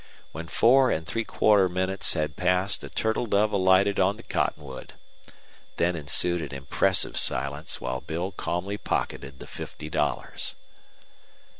When four and three quarter minutes had passed a turtle dove alighted in the cottonwood. Then ensued an impressive silence while Bill calmly pocketed the fifty dollars.